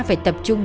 phải tập trung